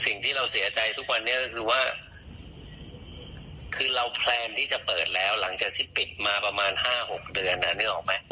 สิ่งที่เราเสียใจทุกวันนี้ก็คือว่าคือเราแพลนที่จะเปิดแล้วหลังจากที่ปิดมาประมาณ๕๖เดือนนึกออกไหม